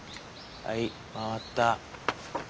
はい回った。